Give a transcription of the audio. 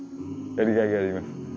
やりがいがあります。